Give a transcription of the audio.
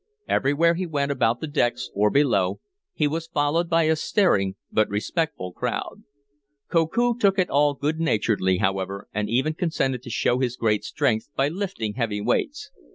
Everywhere he went about the decks, or below, he was followed by a staring but respectful crowd. Koku took it all good naturedly, however, and even consented to show his great strength by lifting heavy weights.